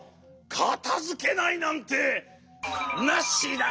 かたづけないなんてナッシだ！